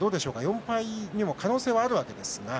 ４敗にも可能性はあるわけですが。